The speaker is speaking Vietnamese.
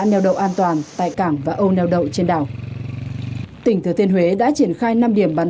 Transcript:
neo đậu an toàn tại cảng và âu neo đậu trên đảo tỉnh thừa thiên huế đã triển khai năm điểm bắn